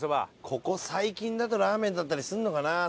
ここ最近だとラーメンだったりするのかな？